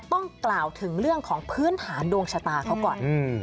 ต้องกล่าวถึงเรื่องของพื้นฐานดวงชะตาเขาก่อน